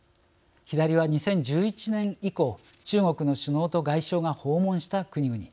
左は２０１１年以降中国の首脳と外相が訪問した国々。